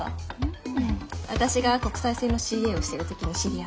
私が国際線のＣＡをしてる時に知り合って。